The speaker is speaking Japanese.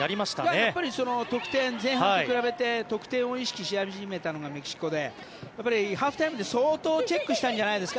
やっぱり得点前半と比べて得点を意識し始めたのがメキシコでハーフタイムで相当チェックしたんじゃないですか。